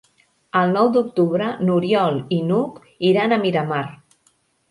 El nou d'octubre n'Oriol i n'Hug iran a Miramar.